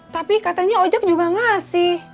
tapi katanya ojek juga ngasih